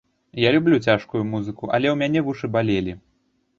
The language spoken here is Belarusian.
Я люблю цяжкую музыку, але ў мяне вушы балелі.